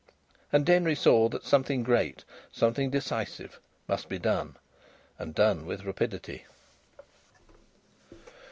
And Denry saw that something great, something decisive, must be done and done with rapidity.